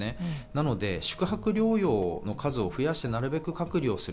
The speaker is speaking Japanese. なので宿泊療養の数を増やしてなるべく隔離する。